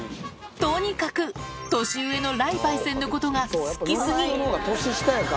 とにかく年上の雷パイセンのことが好きすぎ。